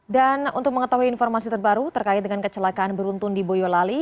dan untuk mengetahui informasi terbaru terkait dengan kecelakaan beruntun di boyolali